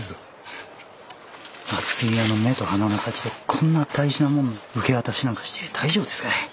松井屋の目と鼻の先でこんな大事な物の受け渡しなんかして大丈夫ですかい？